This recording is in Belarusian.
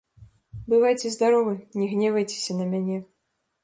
Бывайце здаровы, не гневайцеся на мяне.